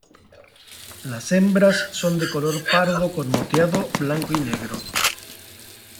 Las hembras son de color pardo con moteado blanco y negro.